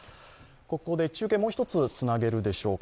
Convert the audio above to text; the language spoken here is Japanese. ここで中継もう一つつなげるでしょうか